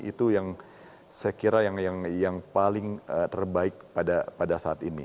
itu yang saya kira yang paling terbaik pada saat ini